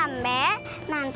aku akan menyesal